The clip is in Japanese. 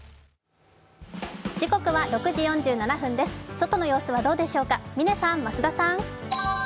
外の様子はどうでしょうか、嶺さん、増田さん。